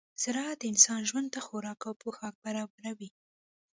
راعت د انسان ژوند ته خوراک او پوښاک برابروي.